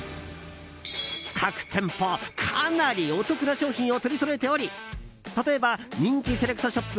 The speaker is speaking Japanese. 各店舗かなりお得な商品を取りそろえており例えば人気セレクトショップ